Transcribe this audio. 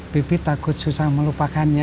pipit takut susah melupakannya